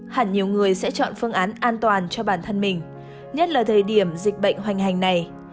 hẳn nhiều người sẽ chọn phương án an toàn cho bản thân mình nhất là thời điểm dịch bệnh hoành hành này